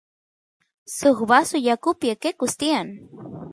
suk vasu yakupi eqequs tiyan